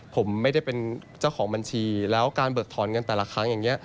ผมไม่ได้เป็นเจ้าของบัญชีแล้วการเบิกถอนเงินแต่ละครั้งอย่างนี้